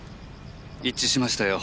一致しましたよ。